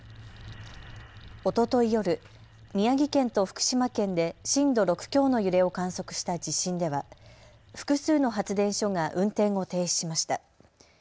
おととい夜宮城県と福島県で震度６強の揺れを観測した地震では複数の発電所が運転を停止しました。